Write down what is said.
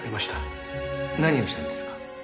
何をしたんですか？